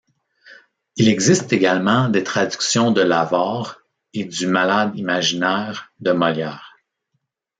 Il existe également des traductions de l'Avare et du Malade imaginaire de Molière.